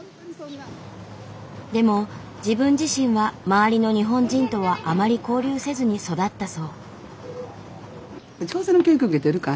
でも自分自身は周りの日本人とはあまり交流せずに育ったそう。